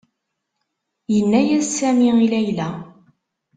Yenna-as Sami i Layla.